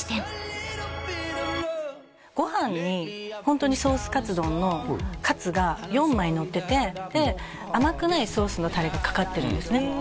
ご飯にホントにソースかつ丼のかつが４枚のってて甘くないソースのタレがかかってるんですね